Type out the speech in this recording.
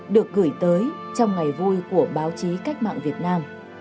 được gửi tới trong ngày vui của báo chí cách mạng việt nam